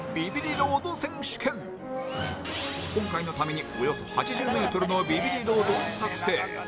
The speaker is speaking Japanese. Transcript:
今回のためにおよそ８０メートルのビビリロードを作製